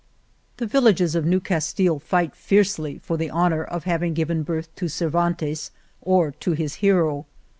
The villages of New Castile fight fiercely 49 8 Argamasilla for the honor of having given birth to Cer vantes or to his hero.